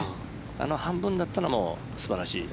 あの半分だったのも素晴らしい。